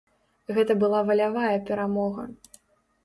Гэта была валявая перамога.